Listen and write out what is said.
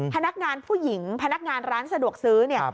พนักงานผู้หญิงพนักงานร้านสะดวกซื้อเนี่ย